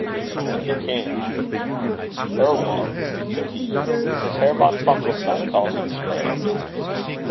When he came: "Irwan," said he, "has Herr von Funkelstein called here to day?"